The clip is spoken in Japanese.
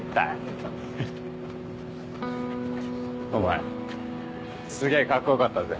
お前すげえカッコ良かったぜ。